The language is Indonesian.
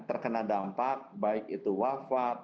terkena dampak baik itu wafat